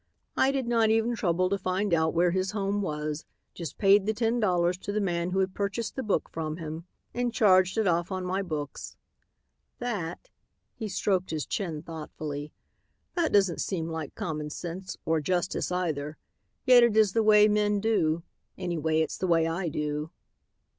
I did not even trouble to find out where his home was; just paid the ten dollars to the man who had purchased the book from him and charged it off on my books. That," he stroked his chin thoughtfully, "that doesn't seem like common sense or justice, either, yet it is the way men do; anyway it's the way I do."